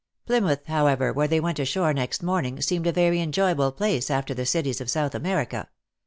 95 Plymouth,, however, where they went ashore next morning, seemed a very enjoyable place after the cities of South America.